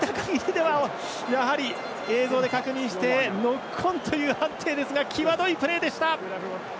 やはり、映像で確認してノックオンという判定ですが際どいプレーでした。